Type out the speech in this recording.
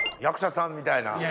役者さんみたいな。